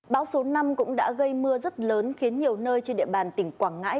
bão số năm cũng đã gây mưa rất lớn khiến nhiều nơi trên địa bàn tỉnh quảng ngãi